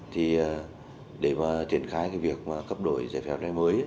thì để mà thiện khai cái việc cấp đổi giấy phép lái mới